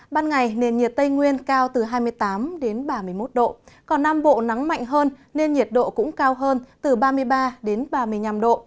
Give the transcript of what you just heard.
ban ngày nền nhiệt tây nguyên cao từ hai mươi tám đến ba mươi một độ còn nam bộ nắng mạnh hơn nên nhiệt độ cũng cao hơn từ ba mươi ba đến ba mươi năm độ